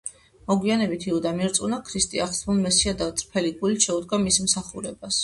მოგვიანებით იუდამ ირწმუნა ქრისტე აღთქმულ მესიად და წრფელი გულით შეუდგა მის მსახურებას.